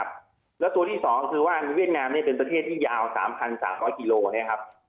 สิ่งที่สองคือว่าเวียดนามเป็นตัวเทศที่ยาว๓๓๐๐กิโลไนว์